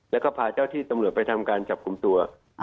แล้วก็พาเจ้าที่ตำรวจไปทำการจับกลุ่มตัว